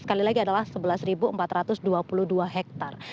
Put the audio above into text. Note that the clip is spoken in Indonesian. sekali lagi adalah sebelas empat ratus dua puluh dua hektare